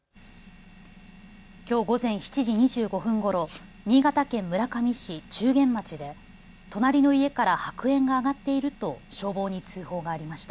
きょう午前７時２５分ごろ、新潟県村上市仲間町で隣の家から白煙が上がっていると消防に通報がありました。